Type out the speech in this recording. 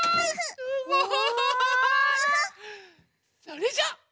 それじゃあ。